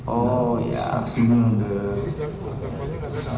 oh ya asingnya udah